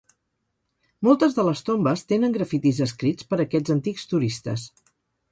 Moltes de les tombes tenen grafitis escrits per aquests antics turistes.